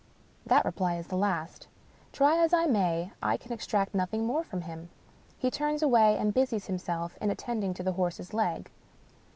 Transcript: That reply is the last. Try as I may, I can extract noth ing more from him. He turns away and busies himself in attending to the horse's leg.